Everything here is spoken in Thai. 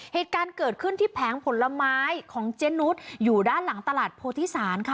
เหตุการณ์เกิดขึ้นที่แผงผลไม้ของเจนุสอยู่ด้านหลังตลาดโพธิศาลค่ะ